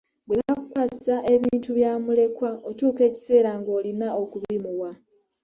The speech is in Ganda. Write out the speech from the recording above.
Bwe bakkwasa ebintu bya mulekwa otuuka ekiseera ng'oyina okubimuwa.